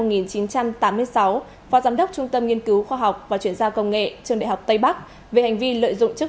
phó giám đốc trung tâm nghiên cứu khoa học và chuyển giao công nghệ trường đại học tây bắc về hành vi lợi dụng chức